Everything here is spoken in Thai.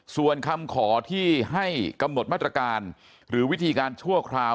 ส่วนคำขอที่ให้กำหนดมาตรการหรือวิธีการชั่วคราว